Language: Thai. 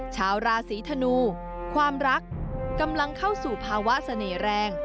ชาวราศีธนูความรักกำลังเข้าสู่ภาวะเสน่ห์แรง